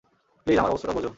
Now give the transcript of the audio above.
Please, আমার অবস্থাটা বোঝ।